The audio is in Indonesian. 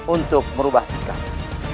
untuk merubah sekamu